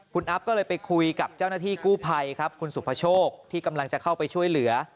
คุณอัพก็เลยไปคุยกับเจ้าหน้าที่กู้ภัยครับคุณสุภโชคที่กำลังจะเข้าไปช่วยเหลือ